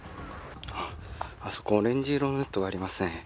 あそこ、オレンジ色のネットがありますね。